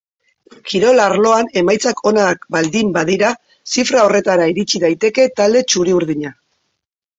Kirol arloan emaitzak onak baldin badira zifra horretara iritsi daiteke talde txuri-urdina.